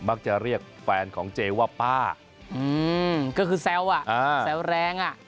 จะเรียกแฟนของเจว่าป้าก็คือแซวอ่ะแซวแรงอ่ะ